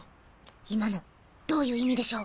今のどういう意味でしょう？